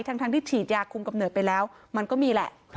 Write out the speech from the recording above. ทั้งที่ฉีดยาคุมกำเนิดไปแล้วมันก็มีแหละ